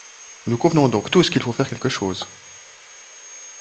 Nous convenons donc tous qu’il faut faire quelque chose.